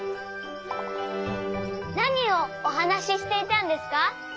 なにをおはなししていたんですか？